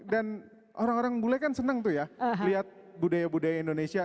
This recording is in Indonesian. dan orang orang bule kan senang tuh ya lihat budaya budaya indonesia